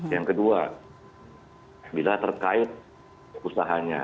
yang kedua bila terkait usahanya